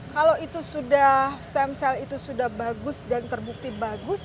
kalau stem cell itu sudah bagus dan terbukti bagus